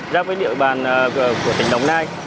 giáp với địa bàn của tỉnh đồng nai